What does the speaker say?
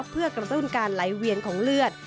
เพื่อกระตุ้นการไหลเวียนของเลือด